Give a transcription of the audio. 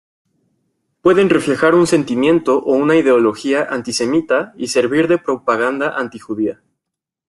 Pueden reflejar un sentimiento o una ideología antisemita y servir de propaganda anti-judía.